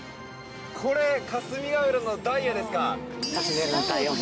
これ、霞ヶ浦のダイヤですか？